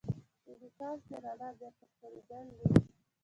انعکاس د رڼا بېرته ستنېدل دي.